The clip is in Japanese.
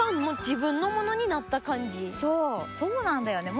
自分のものになった感じそうそうなんだよね